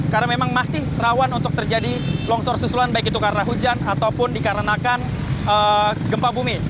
karena memang masih rawan untuk terjadi longsor susulan baik itu karena hujan ataupun dikarenakan gempa bumi